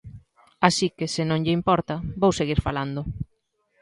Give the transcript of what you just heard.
Así que, se non lle importa, vou seguir falando.